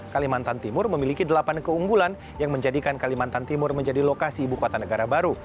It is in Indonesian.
kalimantan timur memiliki delapan keunggulan yang menjadikan kalimantan timur menjadi lokasi ibu kota negara baru